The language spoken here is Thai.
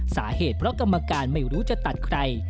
สาเหตุเพราะกรรมการไม่รู้จะตัดใคร